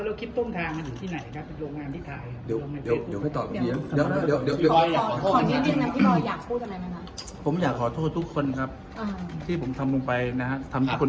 แล้วคลิปต้นทางมันอยู่ที่ไหนครับโรงงานที่ถ่าย